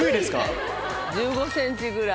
１５ｃｍぐらい。